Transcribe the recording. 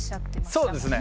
そうですね。